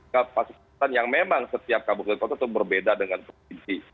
kapasitas yang memang setiap kabupaten kota itu berbeda dengan provinsi